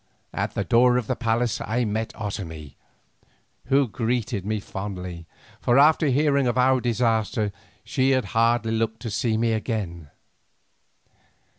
At the door of the palace I met Otomie, who greeted me fondly, for after hearing of our disaster she had hardly looked to see me again.